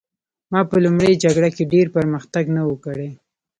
ما په لومړۍ جګړه کې ډېر پرمختګ نه و کړی